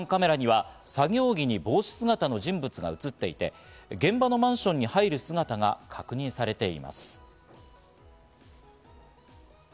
付近の防犯カメラには作業着に帽子姿の人物が映っていて、現場のマンションに入る姿が確認されています。